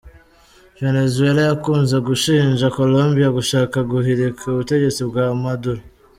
Venezuela yakunze gushinja Colombia gushaka guhirika ubutegetsi bwa Maduro.